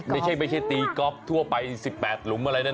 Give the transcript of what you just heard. ไม่ใช่ตีก๊อบทั่วไป๑๘หลุมอะไรแน่